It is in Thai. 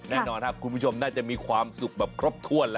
แน่นอนคุณผู้ชมน่าจะมีความสุขครบถ้วนละ